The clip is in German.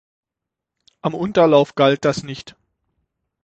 Am Unterlauf galt das nicht.